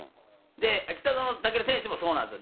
北園丈琉選手もそうなんですよ。